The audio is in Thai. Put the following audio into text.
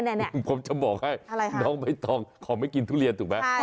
ผมจะบอกให้น้องใบตองเขาไม่กินทุเรียนถูกไหม